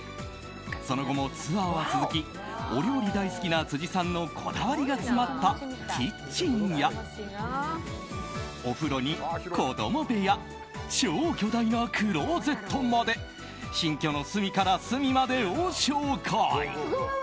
その後もツアーは続きお料理大好きな辻さんのこだわりが詰まったキッチンやお風呂に子供部屋超巨大なクローゼットまで新居の隅から隅までを紹介。